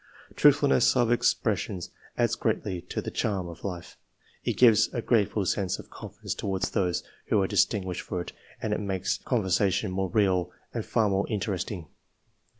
Truthfulness of expres sion adds greatly to the charm of life ; it gives a grateful sense of confidence towards those who are distinguished for it and it makes con versation more real and far more interesting.